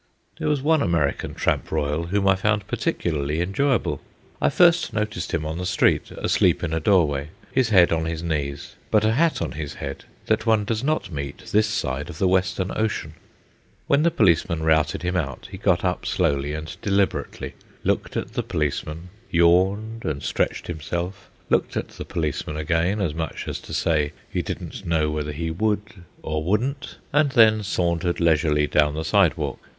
There was one American tramp royal whom I found particularly enjoyable. I first noticed him on the street, asleep in a doorway, his head on his knees, but a hat on his head that one does not meet this side of the Western Ocean. When the policeman routed him out, he got up slowly and deliberately, looked at the policeman, yawned and stretched himself, looked at the policeman again as much as to say he didn't know whether he would or wouldn't, and then sauntered leisurely down the sidewalk.